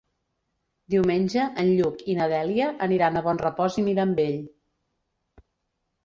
Diumenge en Lluc i na Dèlia aniran a Bonrepòs i Mirambell.